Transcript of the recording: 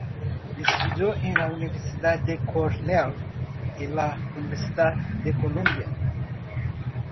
Estudió en la Universidad de Cornell y la Universidad de Columbia.